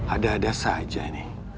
ada ada saja nih